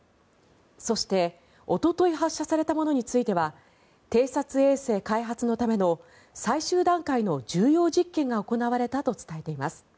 そして、おととい発射されたものについては偵察衛星開発のための最終段階の重要実験が行われたと伝えています。